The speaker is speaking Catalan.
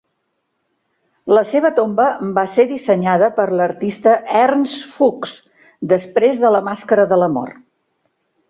La seva tomba va ser dissenyada per l'artista Ernst Fuchs després de la màscara de la mort.